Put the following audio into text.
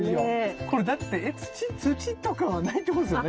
これだって土とかはないってことですよね？